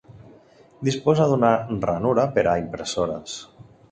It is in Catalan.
Disposa d'una ranura per a impressores.